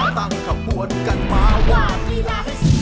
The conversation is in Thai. ตั้งขบวนกันมาว่ามีนักศึกษ์